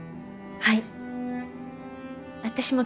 はい。